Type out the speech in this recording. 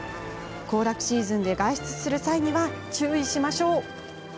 行楽シーズンで外出する際には注意しましょう。